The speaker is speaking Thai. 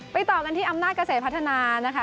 ต่อกันที่อำนาจเกษตรพัฒนานะคะ